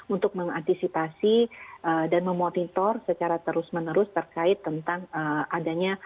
untuk mengantisipasi dan memonitor secara terus menerus terkait tentang adanya